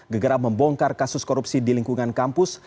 gegera membongkar kasus korupsi di lingkungan kampus